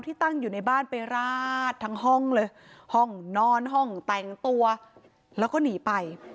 ตั้งอยู่ในบ้านไปราดทั้งห้องเลยห้องนอนห้องแต่งตัวแล้วก็หนีไป